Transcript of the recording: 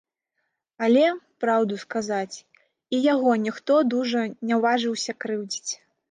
Але, праўду сказаць, і яго ніхто дужа не важыўся крыўдзіць.